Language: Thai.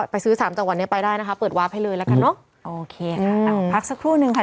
ไปซื้อสามจากวันนี้ไปได้นะคะเปิดวาบให้เลยแล้วกันเนอะ